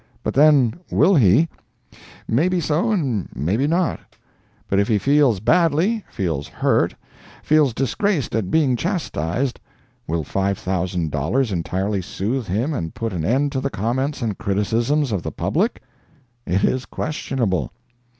But then, will he? Maybe so, and maybe not. But if he feels badly—feels hurt—feels disgraced at being chastised, will $5,000 entirely soothe him and put an end to the comments and criticisms of the public? It is questionable.